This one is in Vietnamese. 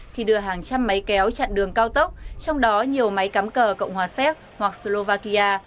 khi đưa hàng trăm máy kéo chặn đường cao tốc trong đó nhiều máy cắm cờ cộng hòa séc hoặc slovakia